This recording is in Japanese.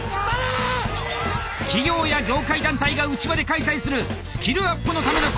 企業や業界団体が内輪で開催するスキルアップのためのコンテスト。